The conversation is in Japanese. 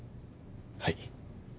はい。